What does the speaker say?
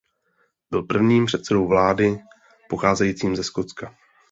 Byl prvním předsedou vlády pocházejícím ze Skotska.